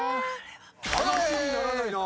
話にならないな。